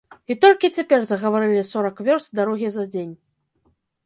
І толькі цяпер загаварылі сорак вёрст дарогі за дзень.